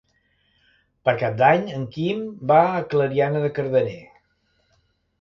Per Cap d'Any en Quim va a Clariana de Cardener.